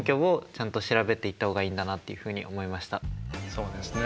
そうですね。